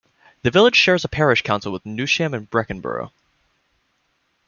The village shares a parish council with Newsham and Breckenbrough.